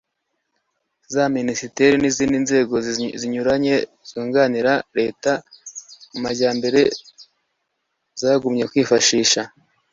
za minisiteri n'izindi nzego zinyuranye zunganira leta mu majyambere zagombye kwifashisha